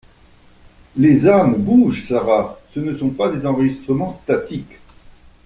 Les âmes bougent, Sara, ce ne sont pas des enregistrements statiques